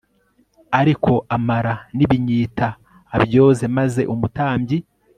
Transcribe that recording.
ariko amara n ibinyita abyoze maze umutambyi